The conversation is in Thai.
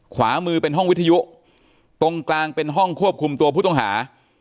ขวามือเป็นห้องวิทยุตรงกลางเป็นห้องควบคุมตัวผู้ต้องหา